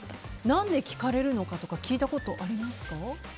何で聞かれるのかとか聞いたことありますか？